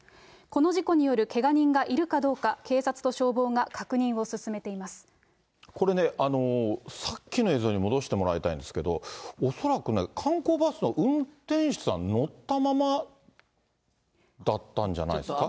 この事故によるけが人がいるかどうか、警察と消防が確認を進めてこれね、さっきの映像に戻してもらいたいんですけど、恐らくね、観光バスの運転手さん、乗ったままだったんじゃないですか。